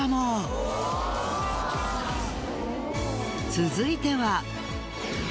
続いては。